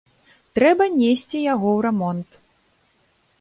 Трэба несці яго ў рамонт.